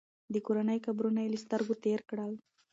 د کورنۍ قبرونه یې له سترګو تېر کړل.